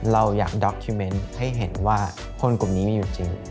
เราอยากด็อกคิวเมนต์ให้เห็นว่าคนกลุ่มนี้มีอยู่จริง